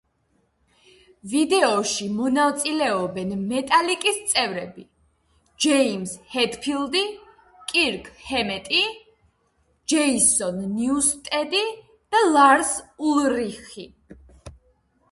ვიდეოში მონაწილეობენ მეტალიკის წევრები: ჯეიმზ ჰეტფილდი, კირკ ჰემეტი, ჯეისონ ნიუსტედი და ლარს ულრიხი.